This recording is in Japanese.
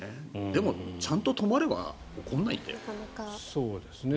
でもちゃんと止まれば起こらないんだよね。